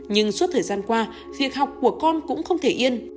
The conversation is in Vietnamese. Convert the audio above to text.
nhưng suốt thời gian qua việc học của con cũng không thể yên